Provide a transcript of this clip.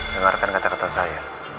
dengarkan kata kata saya